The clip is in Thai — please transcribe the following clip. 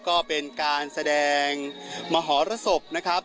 ก็เป็นการแสดงมหรสบนะครับ